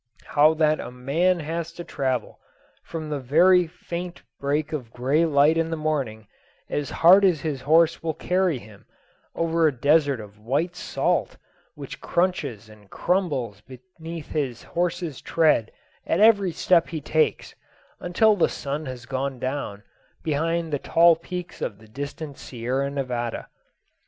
How that a man has to travel, from the first faint break of grey light in the morning, as hard as his horse will carry him, over a desert of white salt which crunches and crumbles beneath his horse's tread at every step he takes until the sun has gone down behind the tall peaks of the distant Sierra Nevada.